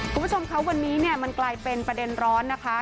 คุณผู้ชมคะวันนี้เนี่ยมันกลายเป็นประเด็นร้อนนะคะ